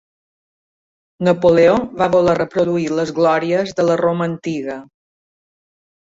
Napoleó va voler reproduir les glòries de la Roma antiga.